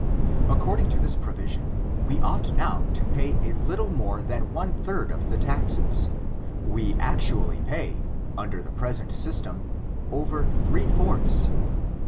According to this provision, we ought now to pay a little more than one third of the taxes ; we actually pay, under the present system, over three fourths.